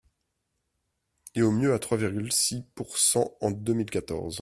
et au mieux à trois virgule six pourcent en deux mille quatorze.